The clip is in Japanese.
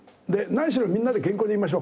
何しろみんなで健康でいましょう。